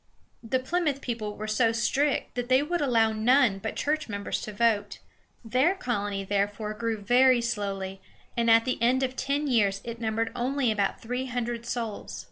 The Plymouth people were so strict that they would allow none but church members to vote. Their colony therefore grew very slowly, and at the end of ten years it numbered only about three hundred souls.